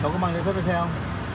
đâu có mang đăng ký xe không